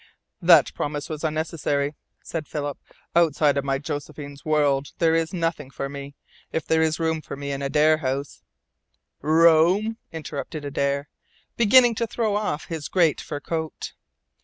"That promise was unnecessary," said Philip. "Outside of my Josephine's world there is nothing for me. If there is room for me in Adare House " "Room!" interrupted Adare, beginning to throw off his great fur coat.